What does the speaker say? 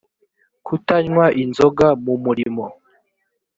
kutanywa inzoga mu murimo